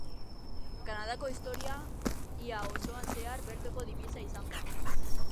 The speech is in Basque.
Kanadako historia ia osoan zehar bertoko dibisa izan da.